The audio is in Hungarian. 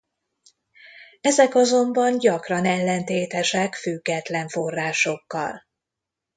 Ezek azonban gyakran ellentétesek független forrásokkal.